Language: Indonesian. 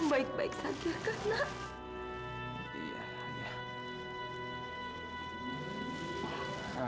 kamu baik baik saja kan